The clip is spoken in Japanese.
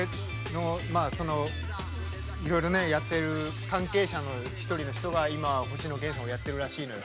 いろいろやってる関係者の一人の人が今、星野源さんのもやってるらしいのよ